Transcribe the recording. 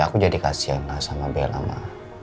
aku jadi kasihan sama bella